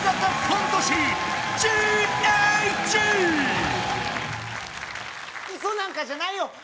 嘘なんかじゃないよ